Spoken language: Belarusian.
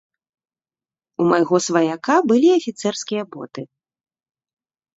У майго сваяка былі афіцэрскія боты.